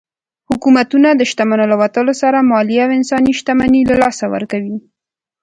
حکومتونه د شتمنو له وتلو سره مالي او انساني شتمني له لاسه ورکوي.